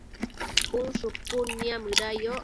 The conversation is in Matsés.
cun shupud niamëda yoc